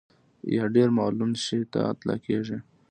یا ډېر ملعون شي ته اطلاقېږي.